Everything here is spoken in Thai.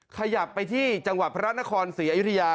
ขยับไปที่จังหวัดพระนครศรีอยุธยา